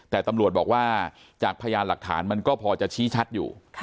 แต่ตำรวจบอกว่าจากพยานหลักฐานมันก็พอจะชี้ชัดอยู่